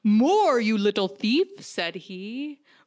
"More, you little thief!" said he.